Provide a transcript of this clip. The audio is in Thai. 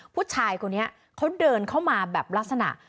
ผู้ชายคนนี้เขาเดินเข้ามาแบบลักษณะ